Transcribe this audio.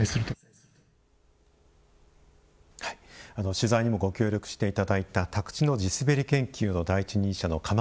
取材にもご協力していただいた宅地の地すべり研究の第一人者の釜井俊孝さんです。